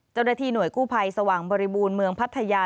เจ้าหน้าที่หน่วยกู้ภัยสว่างบริบูรณ์เมืองพัทยา